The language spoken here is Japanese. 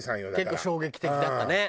結構衝撃的だったね。